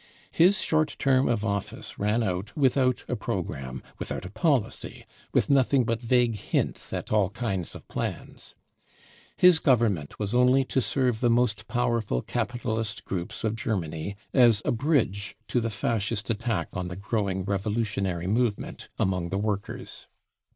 His short term of office ran out without a programme, without a policy, with nothing but vague hints at all kinds of plans. His Government was only to serve the most powerful capitalist groups of Germany as a bridge to the Fascist attack on the growing revolutionary movement among the workers.